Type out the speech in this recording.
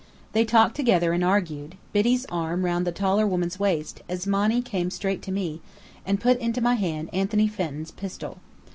They talked together and argued, Biddy's arm round the taller woman's waist, as Monny came straight to me, and put into my hand Anthony Fenton's pistol.